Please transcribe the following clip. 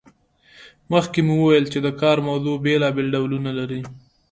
مخکې مو وویل چې د کار موضوع بیلابیل ډولونه لري.